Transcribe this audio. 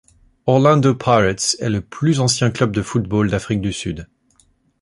Orlando Pirates est le plus ancien club de football d'Afrique du Sud.